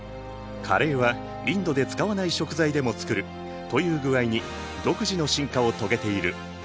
カレーはインドで使わない食材でも作るという具合に独自の進化を遂げている。